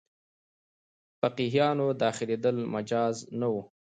فقیهانو داخلېدل مجاز نه وو.